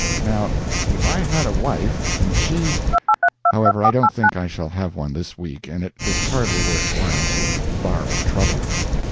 Now, if I had a wife, and she—however, I don't think I shall have one this week, and it is hardly worthwhile to borrow trouble.